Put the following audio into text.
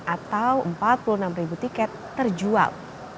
atau empat puluh enam ribu tiket terjual